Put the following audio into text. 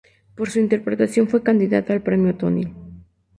Por su interpretación fue candidato al Premio Tony.